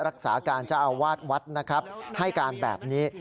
รักษาการเจ้าอาวาสวัดนะครับให้การแบบนี้